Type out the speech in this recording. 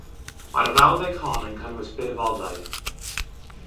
Mae'r frawddeg hon yn cynnwys byrfoddau.